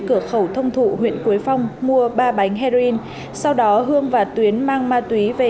cửa khẩu thông thụ huyện quế phong mua ba bánh heroin sau đó hương và tuyến mang ma túy về